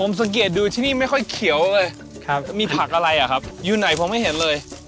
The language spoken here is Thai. สังเกตดูที่นี่ไม่ค่อยเขียวเลยครับมีผักอะไรอ่ะครับยืนไหนผมไม่เห็นเลย